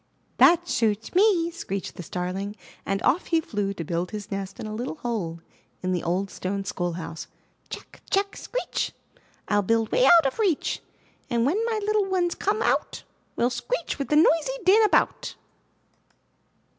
'That suits me!" screeched the Starling and off he flew to build his nest in a little hole in the old stone schoolhouse: "Tchack! Tchack! Screech! rU build way out of reach! And when my little ones come out, We'll screech with noisy din about!"